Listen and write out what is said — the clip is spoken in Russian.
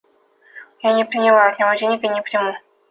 Я не приняла от него денег, и не приму.